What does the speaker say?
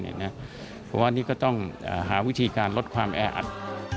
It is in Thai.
เพราะว่านี่ก็ต้องหาวิธีการลดความแออัด